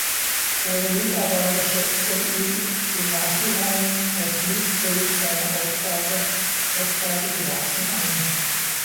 Seine Mitarbeiter schätzten ihn im Nachhinein als nicht völlig seiner Aufgabe gewachsen ein.